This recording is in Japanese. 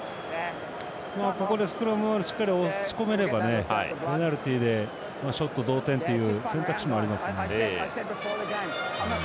ここでスクラムをしっかり押し込めればペナルティでショット同点という選択肢もありますから。